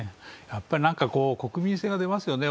やっぱり国民性が出ますよね。